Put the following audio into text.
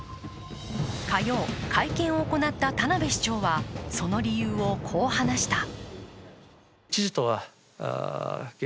火曜、会見を行った田辺市長はその理由をこう話した。